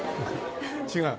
違う。